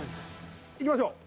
いきましょう。